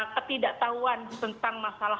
ketidaktahuan tentang masalah